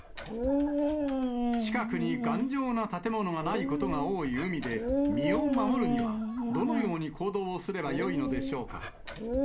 近くに頑丈な建物がないことが多い海で、身を守るには、どのように行動をすればよいのでしょうか。